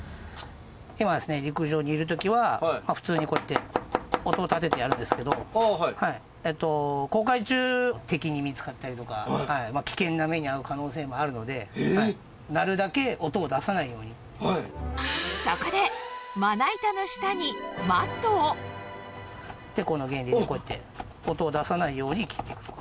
陸上にいるときは、普通にこうやって音を立ててやるんですけど、航海中、敵に見つかったりとか、危険な目に遭う可能性もあるので、なるだけ音を出さないようにといそこで、まな板の下にマットテコの原理で、こうやって、音を出さないように切っていくと。